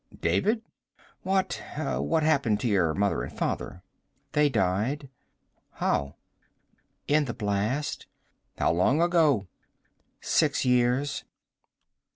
"David? What what happened to your mother and father?" "They died." "How?" "In the blast." "How long ago?" "Six years."